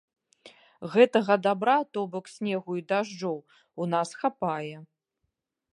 Гэтага дабра, то бок, снегу і дажджоў, у нас хапае.